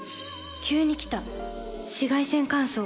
急に来た紫外線乾燥。